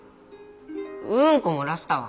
うんこ漏らしたわ。